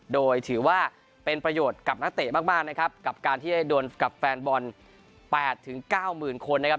โดยถือว่าเป็นประโยชน์กับนักเตะมากนะครับกับการที่ได้โดนกับแฟนบอล๘๙๐๐คนนะครับ